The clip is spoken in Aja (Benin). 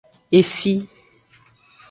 Efi.